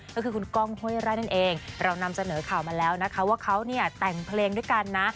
ก็คือคุณก้องห้วยไร่นั่นเองเรานำเสนอข่าวมาแล้วนะคะว่าเขาเนี่ยแต่งเพลงด้วยกันนะ